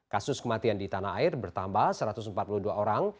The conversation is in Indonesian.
kasus kematian di tanah air bertambah satu ratus empat puluh dua orang